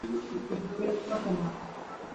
موږ په ګډه کولای شو چې خپل چاپیریال تل پاک وساتو.